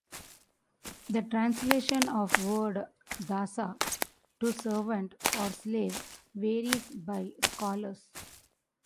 The translation of word "dasa" to servant or slave varies by scholars.